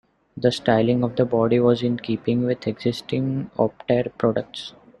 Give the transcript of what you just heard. The styling of the body was in keeping with existing Optare products.